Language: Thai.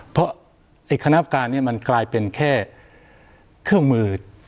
เพราะไอ้คณะการนี้มันกลายเป็นแค่เครื่องมือ